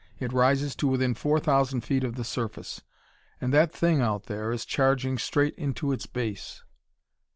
It rises to within four thousand feet of the surface. And that thing out there is charging straight into its base!"